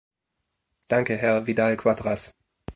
Danke, Herr Vidal-Quadras.